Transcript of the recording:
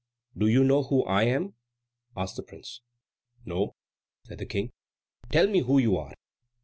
"Do you know who I am?" asked the prince. "No," said the King. "Tell me who you are."